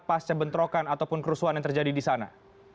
pasca bentrokan ataupun kerusuhan yang terjadi di sana